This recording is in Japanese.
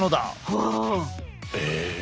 はあ！え！